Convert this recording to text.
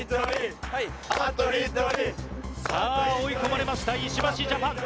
さあ追い込まれました石橋ジャパン。